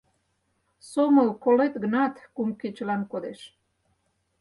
Сомыл колет гынат, кум кечылан кодеш.